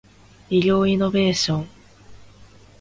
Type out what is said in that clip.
医療イノベーション